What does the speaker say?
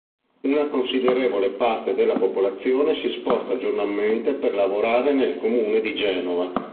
Una considerevole parte della popolazione si sposta giornalmente per lavorare nel comune di Genova.